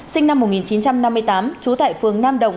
sinh năm một nghìn chín trăm năm mươi tám trú tại phường nam đồng